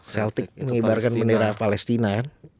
seltic mengibarkan bendera palestina kan